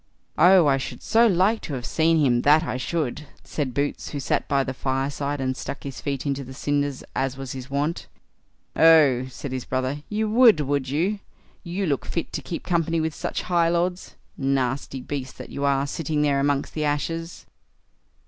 "Oh! I should so like to have seen him, that I should", said Boots, who sat by the fireside, and stuck his feet into the cinders, as was his wont. "Oh!" said his brothers, "you would, would you? You; look fit to keep company with such high lords, nasty beast that you are, sitting there amongst the ashes."